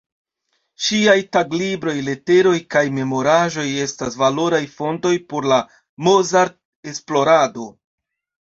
Ŝiaj taglibroj, leteroj kaj memoraĵoj estas valoraj fontoj por la Mozart-esplorado.